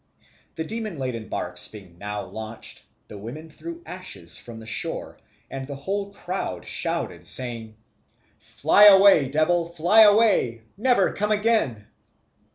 The demon laden barks being now launched, the women threw ashes from the shore, and the whole crowd shouted, saying, "Fly away, devil, fly away, never come again!"